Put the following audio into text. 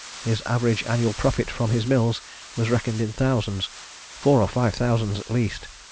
His average annual profit from his mills was reckoned in thousands four or five thousands at least.